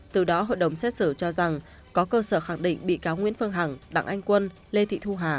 từ đó hội đồng xét xử cho rằng có cơ sở khẳng định bị cáo nguyễn phương hằng đặng anh quân lê thị thu hà